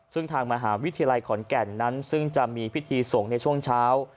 ซึ่งทางมหาวิทยาลัยขอนแก่นนั้นซึ่งจะมีพิธีส่งในช่วงเช้า